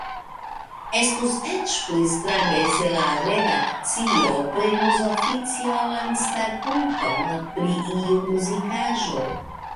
Estus eĉ pli strange se la redakcio prenus oficialan starpunkton pri iu muzikaĵo.